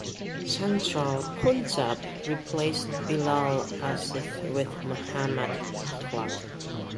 Central Punjab replaced Bilal Asif with Muhammad Akhlaq.